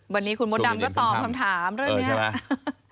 วันนี้คุณมดดำก็ตอบคำถามเรื่องนี้